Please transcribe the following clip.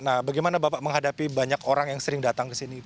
nah bagaimana bapak menghadapi banyak orang yang sering datang ke sini